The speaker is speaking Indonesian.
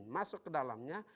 masuk ke dalamnya